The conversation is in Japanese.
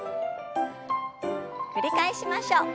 繰り返しましょう。